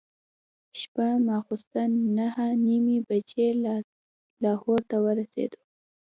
شپه ماخوستن نهه نیمې بجې لاهور ته ورسېدو.